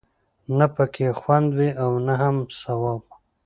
نه پکې خوند وي او نه هم ثواب.